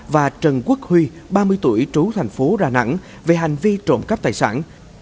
và trần quốc huy ba mươi tuổi trú thành phố đà nẵng về hành vi trộm cắp tài sản